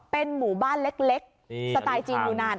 เป็นหมู่บ้านเล็กสไตล์จีนอยู่นาน